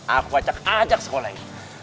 aku ajak ajak sekolah ini